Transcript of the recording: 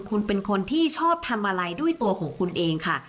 คุณเป็นคนที่ชอบทำอะไรด้วยตัวของคุณเองค่ะ